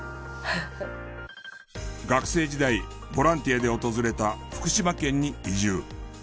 学生時代ボランティアで訪れた福島県に移住。